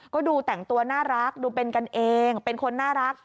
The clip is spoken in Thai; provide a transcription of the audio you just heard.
ก็ดูแต่งตัวน่ารักดูเป็นกันเองเป็นคนน่ารัก